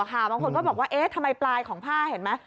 บางคนก็บอกว่าเอ๊ะทำไมปลายของผ้าเห็นไหม